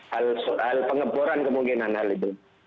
hal soal pengeboran kemungkinan hal itu